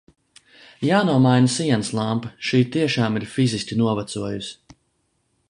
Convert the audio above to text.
Jānomaina sienas lampa, šī tiešām ir fiziski novecojusi.